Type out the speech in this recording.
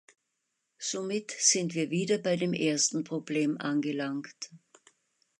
Somit sind wir wieder bei dem ersten Problem angelangt.